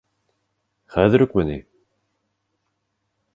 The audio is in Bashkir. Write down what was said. — Хәҙер үкме ни?